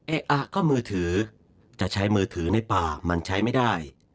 อ่ะก็มือถือจะใช้มือถือในป่ามันใช้ไม่ได้